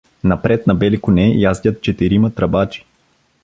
Напред на бели коне яздят четирима тръбачи.